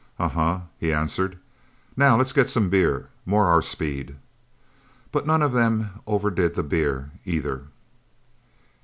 "Uh huh," he answered. "Now let's get some beer more our speed." But none of them overdid the beer either...